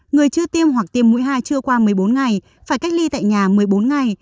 người chưa tiêm hoặc tiêm mũi hai chưa qua một mươi bốn ngày phải cách ly tại nhà một mươi bốn ngày